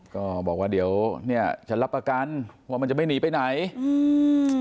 ก็บอกว่าเดี๋ยวเนี้ยฉันรับประกันว่ามันจะไม่หนีไปไหนอืม